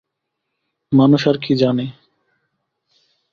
মানুষ আর কী জানে?